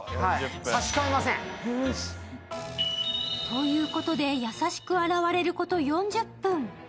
ということで優しく洗われること４０分。